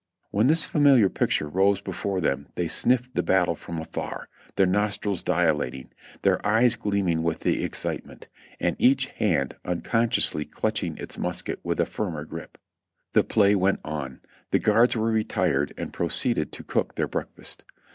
When this familiar picture rose before them they sniffed the battle from afar, their nostrils dilating, their eyes gleaming with excitement, and each hand unconsciously clutching its musket wnth a firmer grip. The play went on ; the guards were retired and proceeded to cook their breakfast.